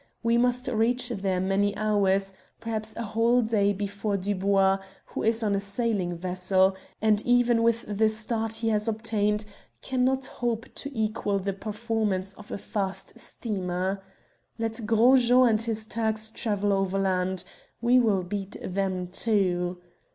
We must reach there many hours, perhaps a whole day, before Dubois, who is on a sailing vessel, and even with the start he has obtained cannot hope to equal the performance of a fast steamer. Let Gros Jean and his Turks travel overland. We will beat them, too.